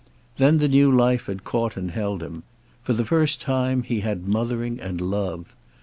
Then the new life had caught and held him. For the first time he had mothering and love.